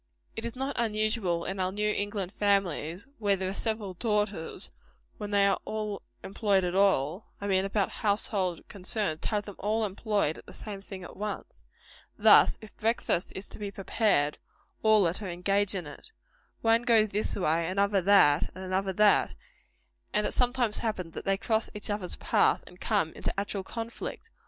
It is not unusual in our New England families, where there are several daughters, when they are employed at all I mean about household concerns to have them all employed at the same thing at once. Thus, if breakfast is to be prepared, all are to engage in it. One goes this way, another that, and another that; and it sometimes happens that they cross each other's path and come into actual conflict.